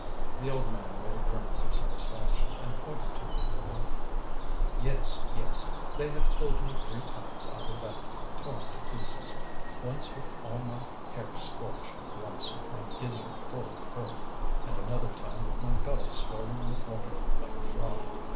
The old man made a grimace of satisfaction and pointed to the Voreux: "Yes, yes; they have pulled me three times out of that, torn to pieces, once with all my hair scorched, once with my gizzard full of earth, and another time with my belly swollen with water, like a frog.